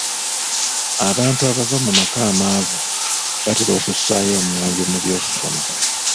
Abantu abava mu maka amaavu batera okussaayo omwoyo mu by'okusoma